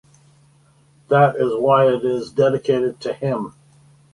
That is why it is dedicated to him.